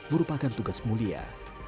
merupakan tugas mulia